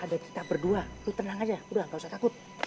ada kita berdua itu tenang aja udah gak usah takut